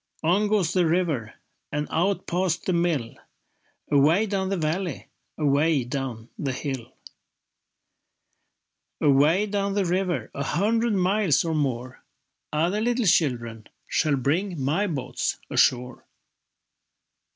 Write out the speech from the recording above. On goes the river And out past the mill, Away down the valley, Away down the hill. Away down the river, A hundred miles or more, Other little children Shall bring my boats ashore.